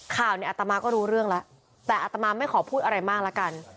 ข่าวเนี่ยอัตมาก็รู้เรื่องแล้วแต่อัตมาไม่ขอพูดอะไรมากละกัน